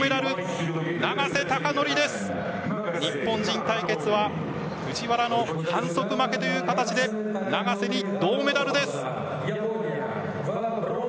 日本人対決は藤原の反則負けという形で永瀬に銅メダルです。